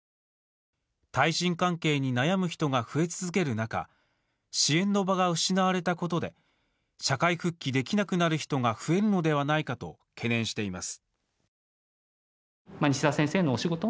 対人関係に悩む人が増え続ける中支援の場が失われたことで社会復帰できなくなる人が増えるのではないかと懸念しています。